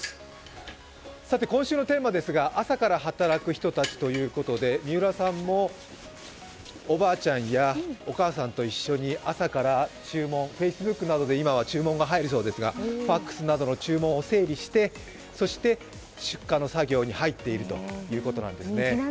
今週のテーマですが、朝から働く人たちということで三浦さんもおばあちゃんやお母さんと一緒に朝から今はＦａｃｅｂｏｏｋで注文が入るそうですがファクスなどの注文を整理しているということです。